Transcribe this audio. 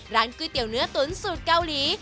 ร้านกูเตี๋ยวเนื้อตุ๋นสูตรเกาหลี